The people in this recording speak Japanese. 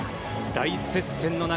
大接戦の中